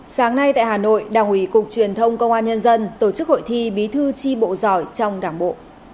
sáng nay tại hà nội đảng ủy cục truyền thông công an nhân dân tổ chức hội thi bí thư tri bộ giỏi trong đảng bộ